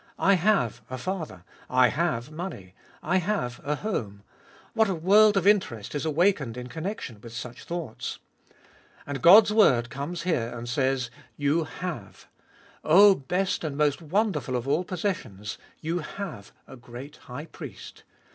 I have a father, I have money, I have a home — what a world of interest is awakened in connection with such thoughts. And God's word comes here and says : You have, — O best and most wonderful of all possessions, — You have a great High Priest.